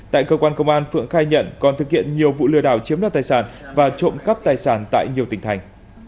tại cơ quan công an phượng khai nhận còn thực hiện nhiều vụ lừa đảo chiếm đoạt tài sản và trộm cắp tài sản tại nhiều tỉnh thành